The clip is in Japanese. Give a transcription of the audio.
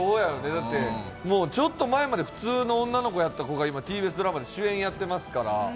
だってちょっと前まで普通の女の子だったのに今、ＴＢＳドラマで主演やってますから。